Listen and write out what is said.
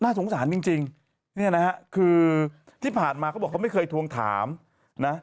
สงสารจริงเนี่ยนะฮะคือที่ผ่านมาเขาบอกเขาไม่เคยทวงถามนะ